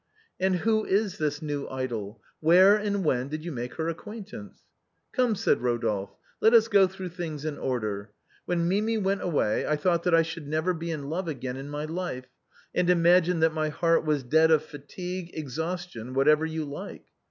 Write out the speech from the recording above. "And who is this new idol? where and when did you make her acquaintance ?"" Come," said Rodolphe, " let us go through things in order. When Mi mi went away I thought that I should never be in love again in my life, and imagined that my heart was dead of fatigue, exhaustion, whatever you like.